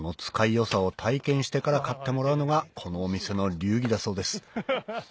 良さを体験してから買ってもらうのがこのお店の流儀だそうです